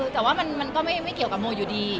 แต่ว่ามันก็ไม่เกี่ยวกับโมอยู่ดี